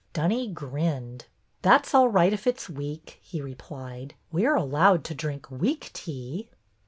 Dunny grinned. ''That's all right if it's weak," he replied. " We are allowed to drink weak tea."